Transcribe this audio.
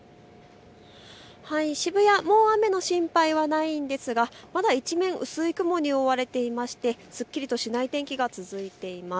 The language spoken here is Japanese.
渋谷、もう雨の心配はないんですが一面、薄い雲に覆われていましてすっきりとしない天気が続いています。